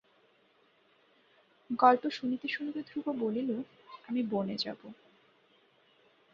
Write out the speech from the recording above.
গল্প শুনিতে শুনিতে ধ্রুব বলিল, আমি বনে যাব।